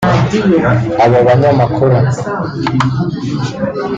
Abo banyamakuru